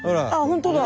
本当だ！